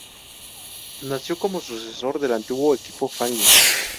Nació como sucesor del antiguo equipo Fangio.